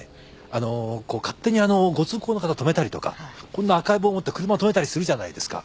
あのう勝手にご通行の方止めたりとかこんな赤い棒持って車止めたりするじゃないですか。